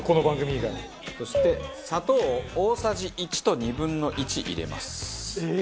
バカリズム：そして、砂糖を大さじ１と２分の１入れます。